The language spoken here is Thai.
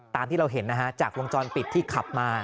ตามที่เราเห็นนะฮะจากวงจรปิดที่ขับมา